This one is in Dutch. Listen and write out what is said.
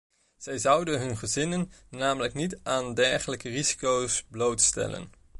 Zij zouden hun gezinnen namelijk niet aan dergelijke risico's blootstellen.